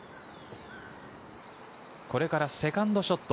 これからセカンドショット。